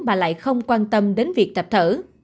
mà lại không quan tâm đến việc tập thở